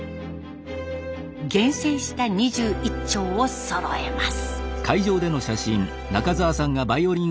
厳選した２１挺をそろえます。